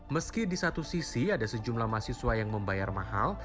meski di satu sisi ada sejumlah mahasiswa yang membayar mahal